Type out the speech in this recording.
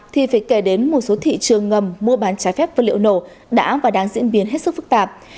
thì phải kể đến một số thị trường ngầm mua bán trái phép vật liệu nổ đã và đang diễn biến hết sức phức tạp